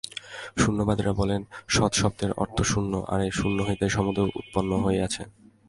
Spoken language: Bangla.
শূন্যবাদীরা বলেন, সৎ-শব্দের অর্থ শূন্য, আর এই শূন্য হইতেই সমুদয় উৎপন্ন হইয়াছে।